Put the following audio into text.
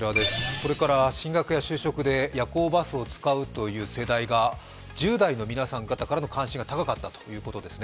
これから進学や受験などで夜行バスを使うという世代が１０代の皆さん方からの関心が高かったということですね。